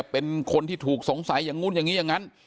เป็นคนที่ถูกสงสัยอย่างนู้นอย่างนี้อย่างนั้น